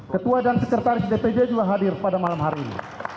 ketua dan sekretaris dpd juga hadir pada malam hari ini